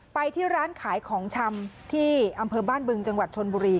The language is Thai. ไปที่ร้านขายของชำที่อำเภอบ้านบึงจังหวัดชนบุรี